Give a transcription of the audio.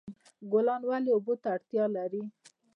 ګلان ولې اوبو ته اړتیا لري؟